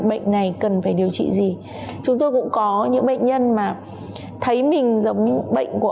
bệnh này cần phải điều trị gì chúng tôi cũng có những bệnh nhân mà thấy mình giống như bệnh của